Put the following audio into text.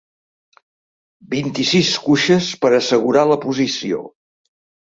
Vint-i-sis cuixes per assegurar la posició.